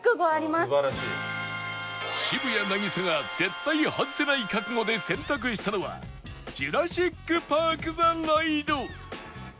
渋谷凪咲が絶対外せない覚悟で選択したのはジュラシック・パーク・ザ・ライド